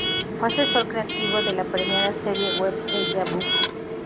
Fue asesor creativo de la premiada serie web Deja vu.